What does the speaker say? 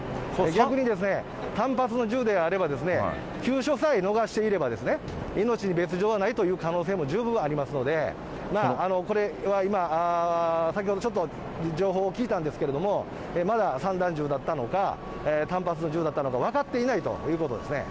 逆に単発の銃であれば、急所さえ逃していれば、命に別状はないという可能性も十分ありますので、これは今、先ほどちょっと、情報を聞いたんですけれども、まだ散弾銃だったのか、単発の銃だったのか、分かっていないということですね。